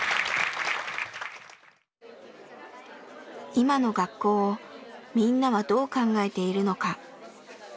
今の学校をみんなはどう考えているのか？